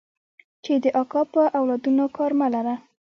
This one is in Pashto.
چې د اکا په اولادونو کار مه لره.